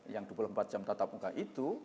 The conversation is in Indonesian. yang dua puluh empat jam tatap muka itu